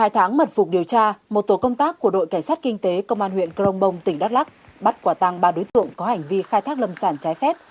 hai tháng mật phục điều tra một tổ công tác của đội cảnh sát kinh tế công an huyện crong bong tỉnh đắk lắc bắt quả tăng ba đối tượng có hành vi khai thác lâm sản trái phép